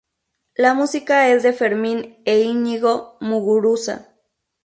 La música es de Fermin e Iñigo Muguruza.